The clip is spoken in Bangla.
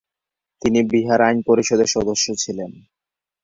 তিনি বিহার আইন পরিষদের সদস্য ছিলেন।